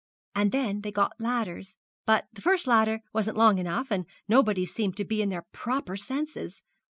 And then they got ladders, but the first ladder wasn't long enough, and nobody seemed to be in their proper senses.